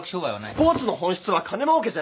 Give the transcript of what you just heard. スポーツの本質は金もうけじゃない。